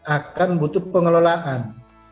akan butuh pengelolaan